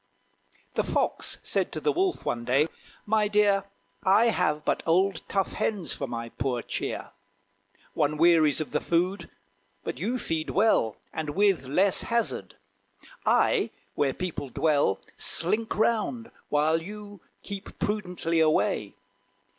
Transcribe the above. The Fox said to the Wolf, one day, "My dear, I have but old tough hens for my poor cheer! One wearies of the food; but you feed well, And with less hazard. I, where people dwell, Slink round, while you keep prudently away.